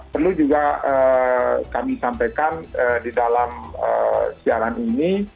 perlu juga kami sampaikan di dalam siaran ini